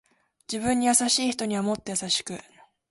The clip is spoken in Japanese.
自分に優しく人にはもっと優しく